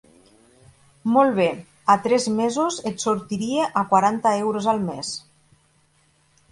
Molt bé, a tres mesos et sortiria a quaranta euros al mes.